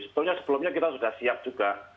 sebetulnya sebelumnya kita sudah siap juga